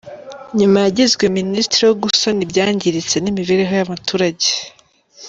Nyuma yagizwe Minisitiri wo gusana ibyangiritse n’imibereho y’abaturage.